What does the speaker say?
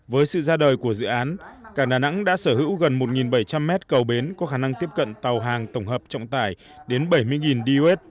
với sự ra đời của dự án cảng đà nẵng đã sở hữu gần một bảy trăm linh mét cầu bến có khả năng tiếp cận tàu hàng tổng hợp trọng tải đến bảy mươi dw